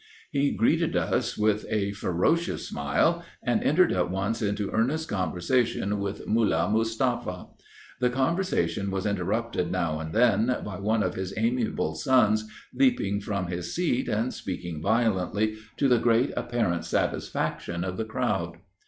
He greeted us with a ferocious smile, and entered at once into earnest conversation with Mullah Mustafa. The conversation was interrupted, now and then, by one of his amiable sons leaping from his seat, and speaking violently, to the great apparent satisfaction of the crowd.